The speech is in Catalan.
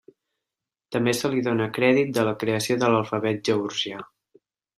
També se li dóna crèdit de la creació de l'alfabet georgià.